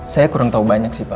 saya kurang tahu banyak sih pak